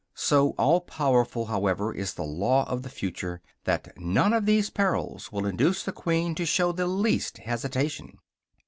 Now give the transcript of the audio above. So all powerful, however, is the law of the future, that none of these perils will induce the queen to show the least hesitation.